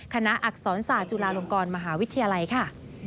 อักษรศาสตุลาลงกรมหาวิทยาลัยค่ะ